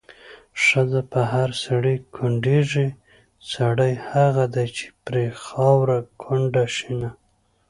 ښځه په هر سړي کونډېږي، سړی هغه دی چې پرې خاوره کونډه شېنه